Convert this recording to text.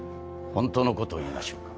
本当のことを言いましょうか？